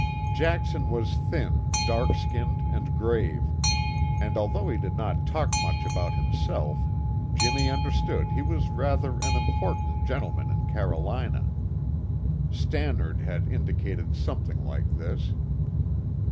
Jackson was thin, dark skinned and grave, and although he did not talk much about himself, Jimmy understood he was rather an important gentleman in Carolina. Stannard had indicated something like this.